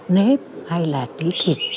nếp hay là tí thịt